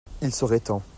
il serait temps.